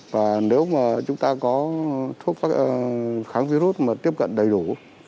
và nếu mà chúng ta có thuốc kháng virus mà tiếp cận đầy đủ